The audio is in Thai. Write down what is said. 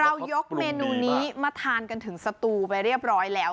ยกเมนูนี้มาทานกันถึงสตูไปเรียบร้อยแล้ว